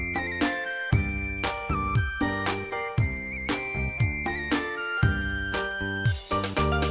kiện với gia đình với